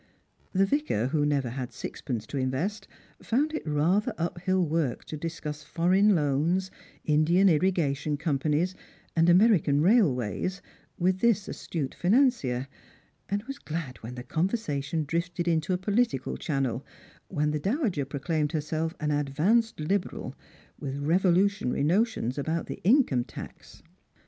The Yicar, who never had sixpence to invest, found it rather uphill work to discuss foreign loans, Indian irrigation companies, and American railways with this astute financier, and was glad when the conversation drifted into a political channel, when the dowager proclaimed herself an advanced liberal, with revolutionary notions about the income tax.